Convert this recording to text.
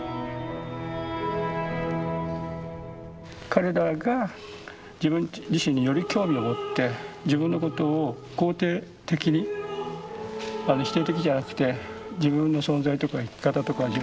彼らが自分自身により興味を持って自分のことを肯定的に否定的じゃなくて自分の存在とか生き方とか自分の工夫考え方